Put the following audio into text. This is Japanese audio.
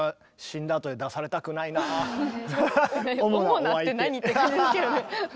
「主な」って何？って感じですけどね。